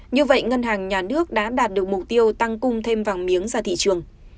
như vậy ngân hàng nhà nước đã đạt được mục tiêu tăng cung thêm vàng miếng ra thị trường